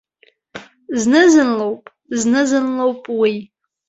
Зны-зынлоуп, зны-зынлоуп уи.